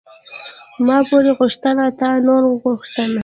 ـ ما پور غوښته تا نور غوښته.